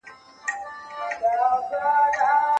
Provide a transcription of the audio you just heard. د غره په سر باندې ورېځې روانې وې.